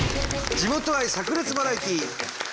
地元愛さく裂バラエティー！